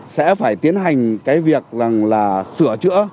sẽ phải tiến hành cái việc rằng là sửa chữa